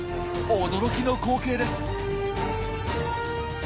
驚きの光景です！